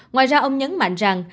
ngoài ra ông nhấn mạnh rằng